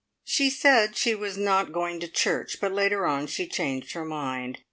She said she was not going to church, but later on she changed her mind.